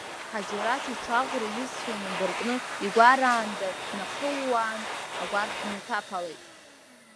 Ҳаџьараҭ иҽы аӷәра иҩызцәа инадыркны игәараанда днахууаан, агәарԥ дынҭаԥалеит.